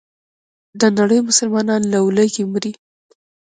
دنړۍ مسلمانان له ولږې مري.